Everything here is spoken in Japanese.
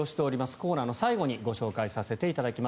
コーナーの最後にご紹介させていただきます。